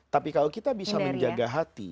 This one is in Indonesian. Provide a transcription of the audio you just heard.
tapi kalau kita bisa menjaga hati